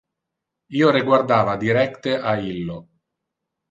Io reguardava directe a illo.